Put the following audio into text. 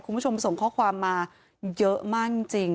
คุณผู้ชมส่งข้อความมาเยอะมากจริง